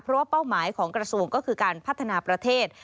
เพราะว่าเป้าหมายของกระทรวงก็คือการพัฒนาประเทศ